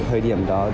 thời điểm đó